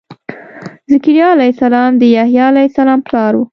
ذکریا علیه السلام د یحیا علیه السلام پلار و.